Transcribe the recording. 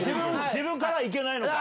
自分からいけない。